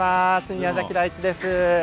宮崎大地です。